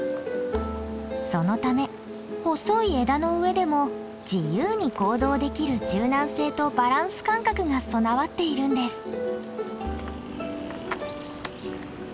そのため細い枝の上でも自由に行動できる柔軟性とバランス感覚が備わっているんです。